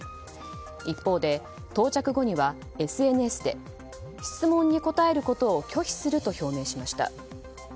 一方で到着後にはＳＮＳで質問に答えることを拒否すると表明しました。